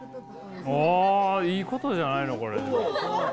あいいことじゃないのこれ。